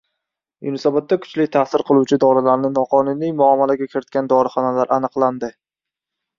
Yunusobodda kuchli ta’sir qiluvchi dorilarni noqonuniy muomalaga kiritgan dorixonalar aniqlandi